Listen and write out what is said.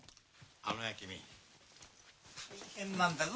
あのね君大変なんだぞ